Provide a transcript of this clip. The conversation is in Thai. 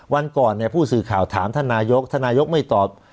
วันก่อนเนี่ยผู้สื่อข่าวถามท่านนายกท่านนายกไม่ตอบ